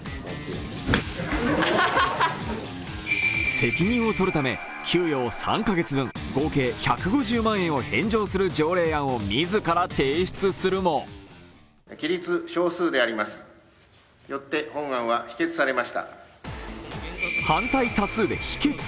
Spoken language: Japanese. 責任を取るため、給与を３カ月分合計１５０万円を返上する条例案を自ら提出するも反対多数で否決。